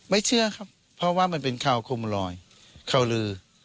เชื่อครับเพราะว่ามันเป็นข่าวคมลอยข่าวลือ